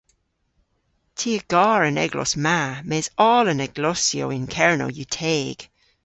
Ty a gar an eglos ma mes oll an eglosyow yn Kernow yw teg.